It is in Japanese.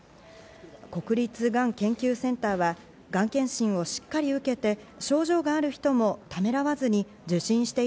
国立がん研究センターはがん検診をしっかり受けて症状がある人もためらわずに受診してい